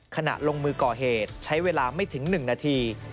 ขณะลงมือก่อเหตุใช้เวลาไม่ถึง๑นาที